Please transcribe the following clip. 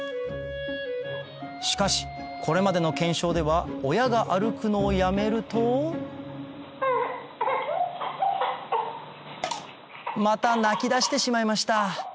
しかしこれまでの検証では親が歩くのをやめるとまた泣きだしてしまいました